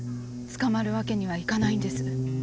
捕まるわけにはいかないんです。